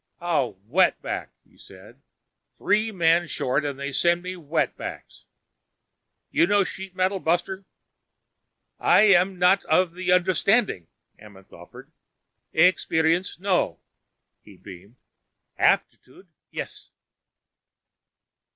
"A wetback," he said. "Three men short and they send me wetbacks. You know sheet metal, buster?" "I am not of the understanding," Amenth offered. "Experience, no." He beamed. "Aptitude, yes."